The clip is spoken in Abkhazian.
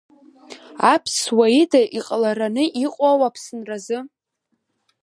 Аԥсуа ида иҟалараны иҟоу Аԥсныразы.